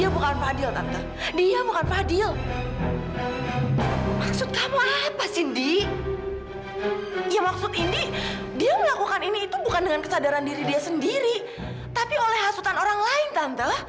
sampai jumpa di video selanjutnya